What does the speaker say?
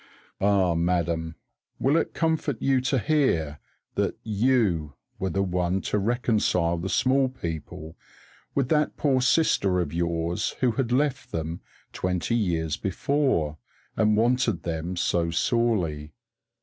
Ah, madam! will it comfort you to hear that you were the one to reconcile the Small People with that poor sister of yours who had left them, twenty years before, and wanted them so sorely?